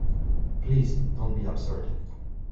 Please, don’t be absurd.